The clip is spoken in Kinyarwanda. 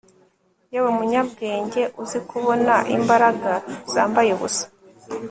Yewe munyabwenge uzi kubona imbaraga zambaye ubusa